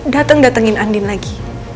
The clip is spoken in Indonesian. dateng datengin andin lagi